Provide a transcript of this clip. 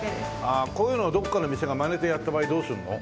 ああこういうのどっかの店がマネてやった場合どうするの？